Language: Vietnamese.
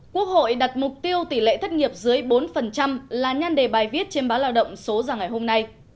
quốc hội đặt mục tiêu tỷ lệ thất nghiệp dưới bốn là nhan đề bài viết trên báo lao động số ra ngày hôm nay